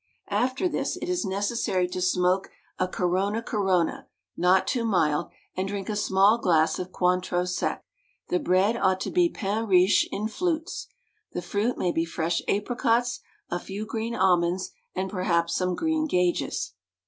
After this it is necessary to [lOi] THE STAG COOK BOOK smoke a Corona Corona not too mild, and drink a small glass of Cointreau Sec. The bread ought to be Pain Riche in flutes. The fruit may be fresh apricots, a few green almonds and perhaps some green gages.